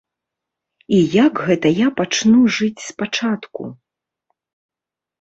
І як гэта я пачну жыць спачатку?